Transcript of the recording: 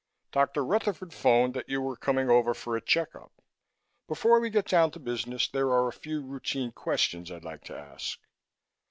"Dr. Rutherford phoned that you were coming over for a check up. Before we get down to business, there are a few routine questions I'd like to ask."